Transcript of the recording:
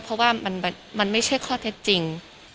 เป็นวิจารณาด้วยเพราะว่ามันไม่ใช่ความเท็จจริง